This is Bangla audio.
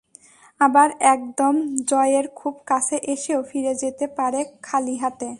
আবার একদম জয়ের খুব কাছে এসেও ফিরে যেতে পারে খালি হাতে।